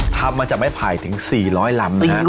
ทำมาจากไม้ไผ่ถึง๔๐๐ลำนะครับ